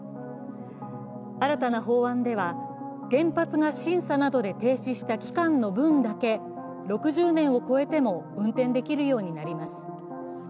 新たな法案では原発が審査などで停止した期間の分だけ６０年を超えても運転できるようになります。